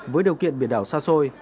với điều kiện biển đảo xa xôi